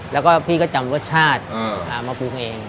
แล้วก็พี่ก็จำรสชาติมาปรุงเอง